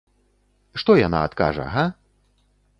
Што яна адкажа, га?